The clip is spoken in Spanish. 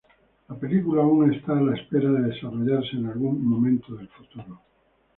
La película aún está a la espera de desarrollarse en algún momento del futuro.